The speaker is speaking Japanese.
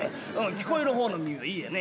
聞こえる方の耳がいいやね。